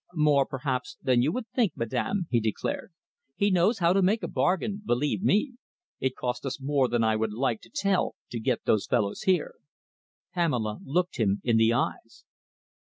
"More, perhaps, than you would think, madam," he declared. "He knows how to make a bargain, believe me. It cost us more than I would like to tell you to get these fellows here." Pamela looked him in the eyes.